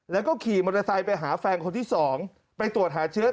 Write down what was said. แล้วก็ขี่มอเตอร์ไซค์ไปหาแฟนคนที่๒ไปตรวจหาเชื้อ